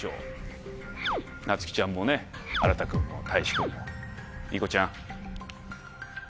なつきちゃんもあらた君もたいし君もりこちゃん？